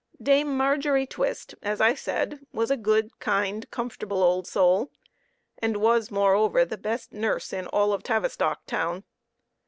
Dame Margery Twist, as I said, was a good, kind, comfortable old soul, and was, more over, the best nurse in all of Tavistock town.